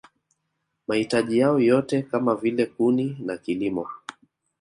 Mahitaji yao yote kama vile kuni na kilimo